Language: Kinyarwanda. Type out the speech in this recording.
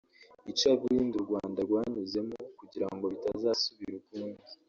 icuraburindi u Rwanda rwanyuzemo kugira ngo bitazasubira ukundi